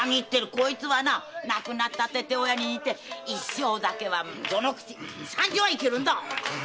こいつは亡くなった父親に似て一升酒は序の口三升はいけるんだ！